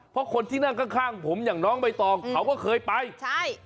เพราะคนที่นั่งข้างข้างผมอย่างน้องใบตองเขาก็เคยไปใช่